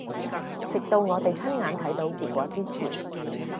直到我哋親眼睇到結果之前